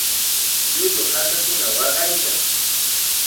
Llullu hakakuna waqaykan.